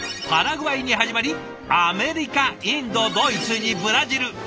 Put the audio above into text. パラグアイに始まりアメリカインドドイツにブラジル。